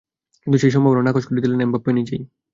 কিন্তু সেই সম্ভাবনা নাকচ করে দিলেন এমবাপ্পে নিজেই।